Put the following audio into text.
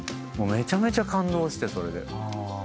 めちゃめちゃ感動してそれで。